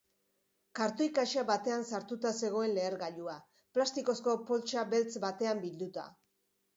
Kartoi kaxa batean sartuta zegoen lehergailua, plastikozko poltsa beltz batean bilduta.